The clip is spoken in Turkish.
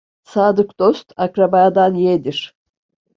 Sadık dost akrabadan yeğdir.